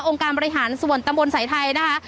การบริหารส่วนตำบลสายไทยนะคะ